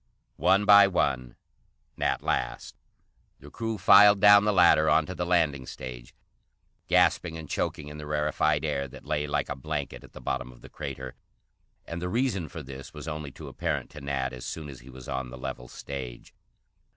One by one, Nat last, the crew filed down the ladder onto the landing stage, gasping and choking in the rarefied air that lay like a blanket at the bottom of the crater. And the reason for this was only too apparent to Nat as soon as he was on the level stage.